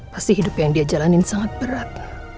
pasti hidup yang dia jalanin sangat berat